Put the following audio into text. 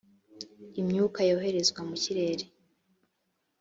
imyuka yoherezwa mu kirere